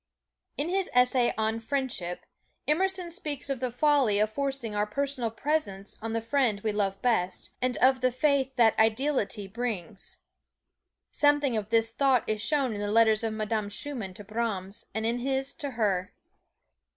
In his essay on "Friendship," Emerson speaks of the folly of forcing our personal presence on the friend we love best, and of the faith that ideality brings. Something of this thought is shown in the letters of Madame Schumann to Brahms, and in his to her.